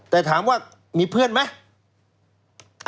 แต่ถามว่ามีเพื่อนไหม